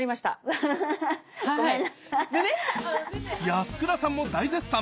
安倉さんも大絶賛！